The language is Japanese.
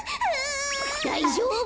だいじょうぶ！